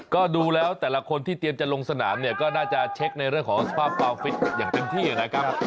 ก็ดูแล้วแต่ละคนที่เตรียมจะลงสนามเนี่ยก็น่าจะเช็คในเรื่องของสภาพความฟิตอย่างเต็มที่นะครับ